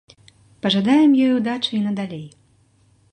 Пажадаем ёй удачы і надалей!